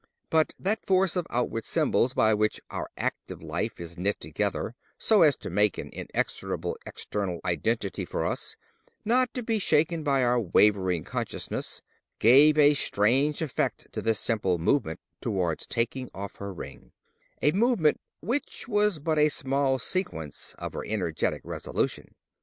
But that force of outward symbols by which our active life is knit together so as to make an inexorable external identity for us, not to be shaken by our wavering consciousness, gave a strange effect to this simple movement towards taking off her ring—a movement which was but a small sequence of her energetic resolution.